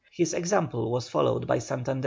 His example was followed by Santander.